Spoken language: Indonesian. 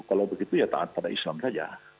kalau begitu ya taat pada islam saja